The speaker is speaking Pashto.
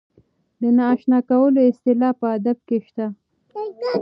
د نااشنا کولو اصطلاح په ادب کې شته.